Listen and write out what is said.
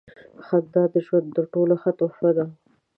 • خندا د ژوند تر ټولو ښه تحفه ده.